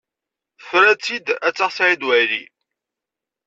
Tefra-tt-id ad taɣ Saɛid Waɛli.